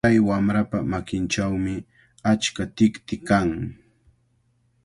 Kay wamrapa makinchawmi achka tikti kan.